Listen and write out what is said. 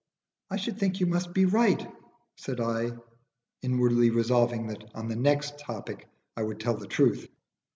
"I should think you must be right," said I, inwardly resolving that on the next topic I would tell the truth.